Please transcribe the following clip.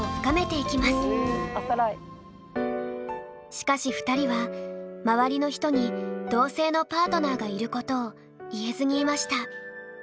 しかし２人は周りの人に同性のパートナーがいることを言えずにいました。